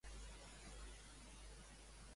Posa que les llums es vegin de color fúcsia.